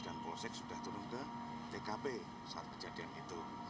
dan polsek sudah turun ke tkp saat kejadian itu